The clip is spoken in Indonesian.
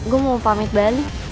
gue mau pamit balik